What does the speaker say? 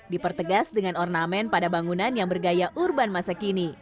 dipertegas dengan ornamen pada bangunan yang bergaya urban masa kini